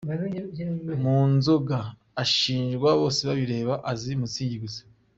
Mu nzoga ashinjwa Bosebabireba azi Mutzig gusa.